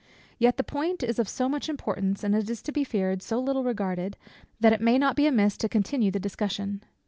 Yet the point is of so much importance, and it is to be feared, so little regarded, that it may not be amiss to continue the discussion.